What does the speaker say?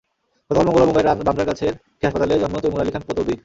গতকাল মঙ্গলবার মুম্বাইয়ের বান্দ্রার কাছের একটি হাসপাতালে জন্ম তৈমুর আলী খান পতৌদির।